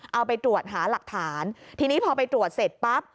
เอาไปตรวจหาหลักฐานทีนี้พอไปตรวจเสร็จปั๊บ